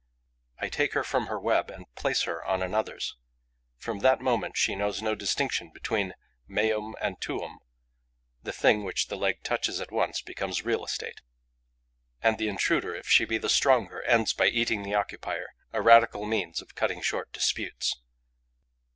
I take her from her web and place her on another's. From that moment, she knows no distinction between meum and tuum: the thing which the leg touches at once becomes real estate. And the intruder, if she be the stronger, ends by eating the occupier, a radical means of cutting short disputes.